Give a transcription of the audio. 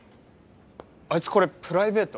あいつこれプライベート？